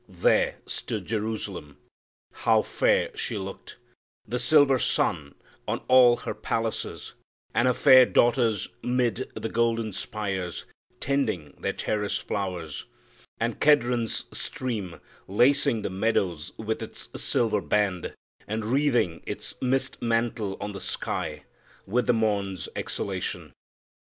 There stood Jerusalem! How fair she looked The silver sun on all her palaces, And her fair daughters 'mid the golden spires Tending their terrace flowers; and Kedron's stream Lacing the meadows with its silver band And wreathing its mist mantle on the sky With the morn's exhalation.